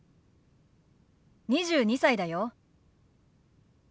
２２歳だよ。ＯＫ。